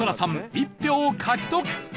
１票獲得